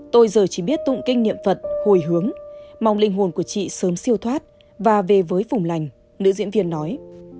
tôi giờ chỉ biết tụng kinh niệm phật hồi hướng mong linh hồn của chị sớm siêu thoát và về với phùng lành nữ diễn viên nói